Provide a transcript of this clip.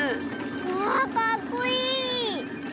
わあかっこいい！